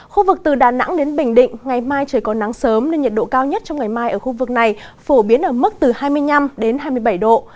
khu vực từ đà nẵng đến bình định ngày mai trời có nắng sớm nên nhiệt độ cao nhất trong ngày mai ở khu vực này phổ biến ở mức từ hai mươi năm đến hai mươi bảy độ